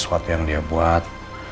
sesuatu yang dia buat